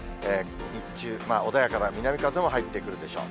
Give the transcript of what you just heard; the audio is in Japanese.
日中、穏やかな南風も入ってくるでしょう。